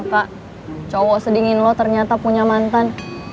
gue gak nyangka cowok sedingin lo ternyata punya mantan